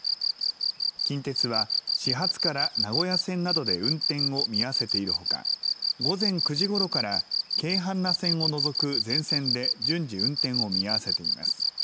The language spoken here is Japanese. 近鉄は始発から名古屋線などで運転を見合わせているほか午前９時ごろからけいはんな線を除く全線で順次、運転を見合わせています。